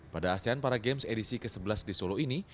pada asean para games edisi ke sebelas di solo ini